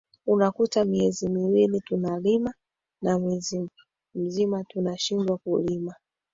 Unakuta miezi miwili tunalima na mwezi mzima tunashindwa kulima